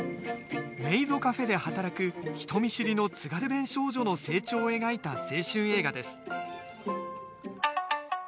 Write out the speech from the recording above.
メイドカフェで働く人見知りの津軽弁少女の成長を描いた青春映画です